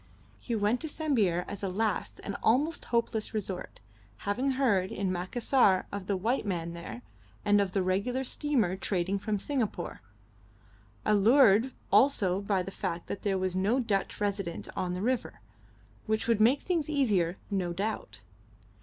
He went to Sambir as a last and almost hopeless resort, having heard in Macassar of the white man there, and of the regular steamer trading from Singapore allured also by the fact that there was no Dutch resident on the river, which would make things easier, no doubt.